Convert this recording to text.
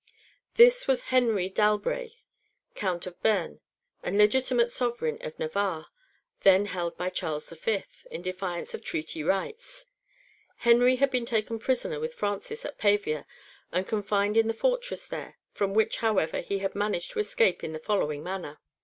This was Henry d'Albret, Count of Beam, and legitimate sovereign of Navarre, then held by Charles V. in defiance of treaty rights. Henry had been taken prisoner with Francis at Pavia and confined in the fortress there, from which, however, he had managed to escape in the following manner.